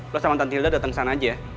lo sama tante hilda dateng sana aja ya